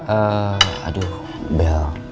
eh aduh bel